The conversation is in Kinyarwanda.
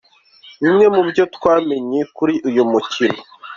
Bimwe mu byo twamenya kuri uyu mukino.